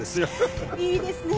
いいですね！